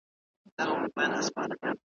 غټ ښنګوري یې پر ځای وه د منګولو ,